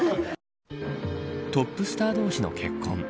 トップスター同士の結婚。